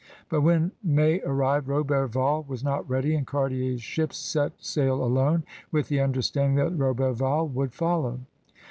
But when May arrived Roberval was not ready and Cartier's ships set sail alone, with the understanding that Roberval would follow.